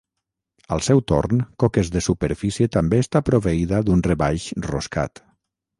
Al seu torn, coques de superfície també està proveïda d'un rebaix roscat.